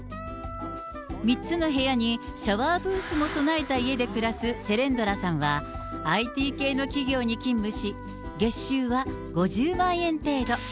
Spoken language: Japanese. ３つの部屋にシャワーブースも備えた家に暮らすセレンドラさんは、ＩＴ系の企業に勤務し、月収は５０万円程度。